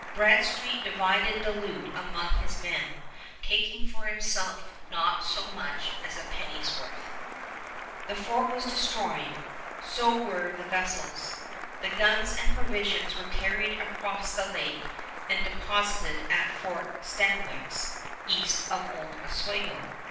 Bradstreet divided the loot among his men, taking for himself not so much as a penny's worth. The fort was destroyed. So were the vessels. The guns and provisions were carried across the lake and deposited at Fort Stanwix, east of old Oswego.